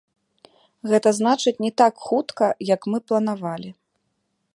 Гэта значыць, не так хутка, як мы планавалі.